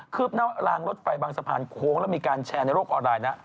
ืบหน้ารางรถไฟบางสะพานโค้งแล้วมีการแชร์ในโลกออนไลน์นะ